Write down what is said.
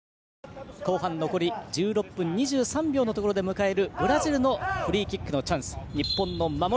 後半残り１６分２３秒のところで迎えるブラジルのフリーキック。